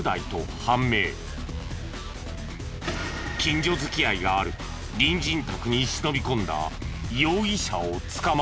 近所付き合いがある隣人宅に忍び込んだ容疑者を捕まえる。